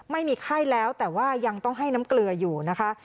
ไม่มีไข้แล้วแต่ว่ายังต้องให้น้ำเกลืออยู่นะคะ